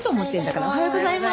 おはようございます。